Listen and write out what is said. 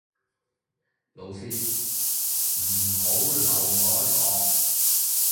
老師唔好留我堂